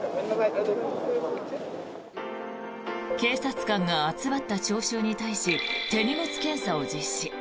警察官が集まった聴衆に対し手荷物検査を実施。